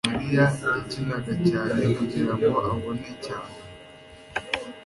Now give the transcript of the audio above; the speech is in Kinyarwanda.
mariya yakinaga cyane kugirango abone cyane